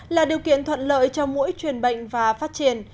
là điều kiện thuận lợi cho mỗi truyền bệnh và phát triển